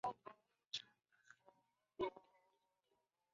吴六奇墓前石雕的历史年代为清代。